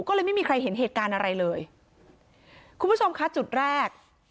ก็เลยไม่มีใครเห็นเหตุการณ์อะไรเลยคุณผู้ชมคะจุดแรก